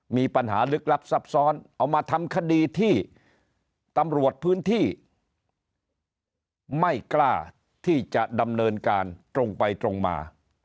มีปัญหาลึกลับซับซ้อนเอามาทำคดีที่ตำรวจพื้นที่ไม่กล้าที่จะดำเนินการตรงไปตรงมา